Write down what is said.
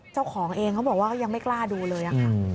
เจ้าของเองเขาบอกว่าก็ยังไม่กล้าดูเลยค่ะ